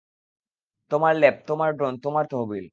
তোমার ল্যাব, তোমার ড্রোন, তোমার তহবিল!